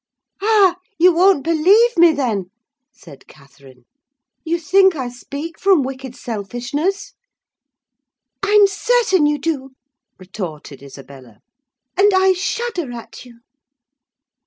"Ah! you won't believe me, then?" said Catherine. "You think I speak from wicked selfishness?" "I'm certain you do," retorted Isabella; "and I shudder at you!"